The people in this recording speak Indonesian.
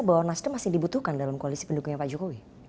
bahwa nasdem masih dibutuhkan dalam koalisi pendukungnya pak jokowi